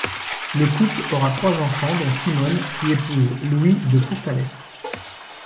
Le couple aura trois enfants, dont Simone, qui épouse Louis de Pourtalès.